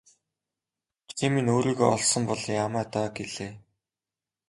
Чи минь өөрийгөө олсон бол яамай даа гэлээ.